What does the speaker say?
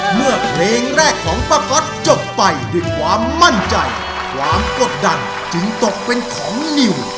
เมื่อเพลงแรกของป้าก๊อตจบไปด้วยความมั่นใจความกดดันจึงตกเป็นของนิว